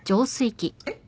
えっ？